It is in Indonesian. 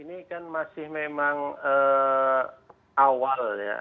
ini kan masih memang awal ya